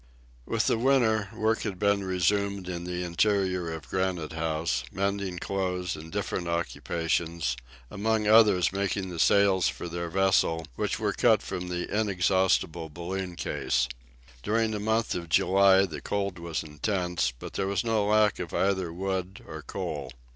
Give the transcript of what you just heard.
With the winter, work had been resumed in the interior of Granite House, mending clothes and different occupations, among others making the sails for their vessel, which were cut from the inexhaustible balloon case. During the month of July the cold was intense, but there was no lack of either wood or coal.